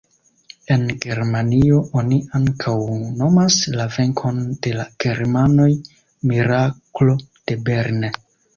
En Germanio oni ankaŭ nomas la venkon de la germanoj "Miraklo de Bern".